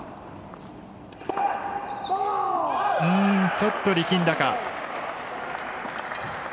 ちょっと力んだか。